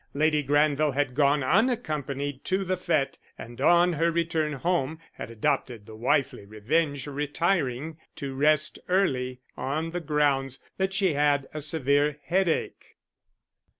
Lady Granville had gone unaccompanied to the fête, and on her return home had adopted the wifely revenge of retiring to rest early, on the grounds that she had a severe headache.